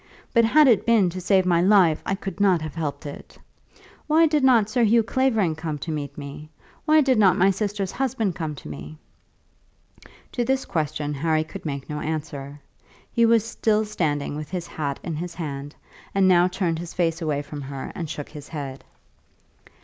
But had it been to save my life I could not have helped it. Why did not Sir Hugh Clavering come to meet me? Why did not my sister's husband come to me?" To this question Harry could make no answer. He was still standing with his hat in his hand, and now turned his face away from her and shook his head.